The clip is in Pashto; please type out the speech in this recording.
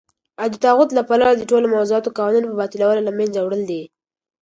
او دطاغوت له پلوه دټولو موضوعه قوانينو باطلول او له منځه وړل دي .